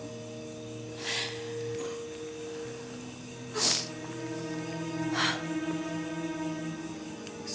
sungguh kasihan anakku ini